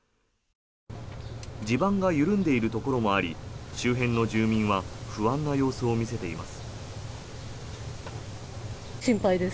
地盤が緩んでいるところもあり周辺の住民は不安な様子を見せています。